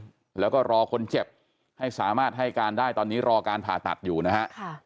แล้วก็รอคนเจ็บให้สามารถให้การได้ตอนนี้รอการผ่าตัดอยู่นะฮะค่ะ